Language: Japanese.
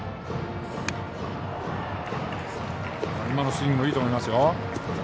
今のスイングもいいと思います。